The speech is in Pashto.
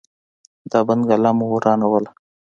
دا بنګله مو ورانومه.